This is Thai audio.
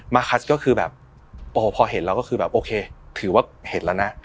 คัสก็คือแบบโอ้พอเห็นเราก็คือแบบโอเคถือว่าเห็นแล้วนะ